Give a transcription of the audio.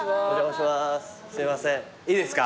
いいですか？